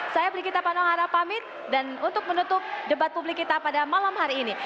saya prikita panohara pamit dan untuk menutup debat publik kita pada malam hari ini